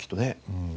うん。